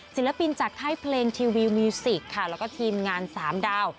ศิลปินจากค่ายเพลงทีวีมิวสิกค่ะแล้วก็ทีมงาน๓ดาว